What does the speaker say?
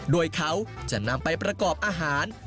โดยเขาจะนำไปประกอบอาหาร